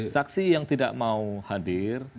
saksi yang tidak mau hadir